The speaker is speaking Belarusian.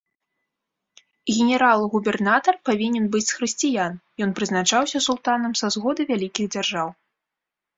Генерал-губернатар павінен быць з хрысціян, ён прызначаўся султанам са згоды вялікіх дзяржаў.